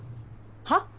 はっ？